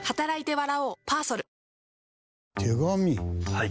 はい。